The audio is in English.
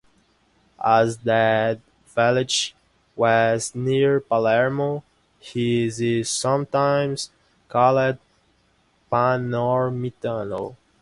As that village was near Palermo, he is sometimes called Panormitano.